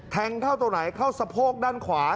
แทงเข้าตัวไหนเข้าสะโพกด้านขวา